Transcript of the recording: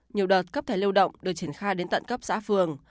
nhiều đợt cấp thẻ lưu động được triển khai đến tận cấp xã phường